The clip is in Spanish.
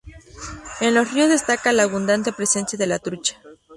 En los ríos destaca la abundante presencia de la trucha.